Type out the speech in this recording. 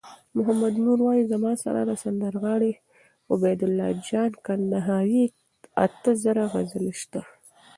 محمد نور وایی: زما سره د سندرغاړی عبیدالله جان کندهاری اته زره غزلي سته